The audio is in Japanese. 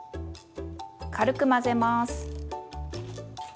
軽く混ぜます。